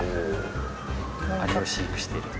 「アリを飼育していると」